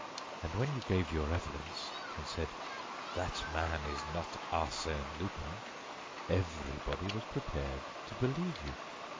And when you gave your evidence and said: "That man is not Arsène Lupin," everybody was prepared to believe you.